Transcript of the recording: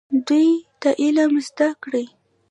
دوی ته علم زده کړئ